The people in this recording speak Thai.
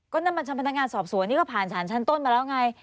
ก็นั่นมันชั้นพนักงานสอบสวนนี่ก็ผ่านสารชั้นต้นมาแล้วไง